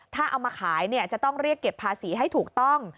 ถ้าเอามาขายจะต้องเรียกเก็บภาษีให้ถูกต้อง